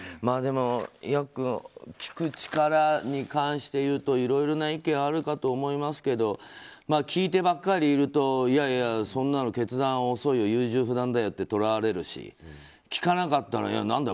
ヤックン聞く力に関して言うといろいろな意見があるかと思いますけど聞いてばかりいるといやいや、決断が遅いよ優柔不断だよととられるし聞かなかったら、何だよ